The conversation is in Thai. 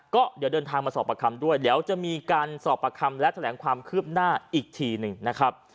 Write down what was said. ก็เดี๋ยวเดินทางมาสอบประคำด้วยเดี๋ยวจะมีการสอบประคำและแถลงความคืบหน้าอีกทีหนึ่งนะครับ